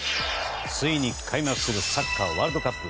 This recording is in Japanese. ついに開幕するサッカーワールドカップ。